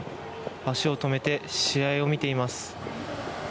足を止めて試合を見ています。